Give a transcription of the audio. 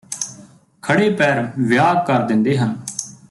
ਖੜ੍ਹੇ ਪੈਰ ਵਿਆਹ ਕਰ ਦਿੰਦੇ ਹਨ